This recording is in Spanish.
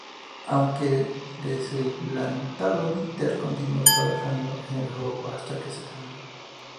Aunque desalentado, Minter continuó trabajando en el juego hasta que se terminó.